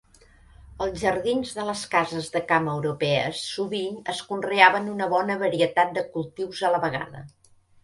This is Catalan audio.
Als jardins de les cases de camp europees sovint es conreaven una bona varietat de cultius a la vegada.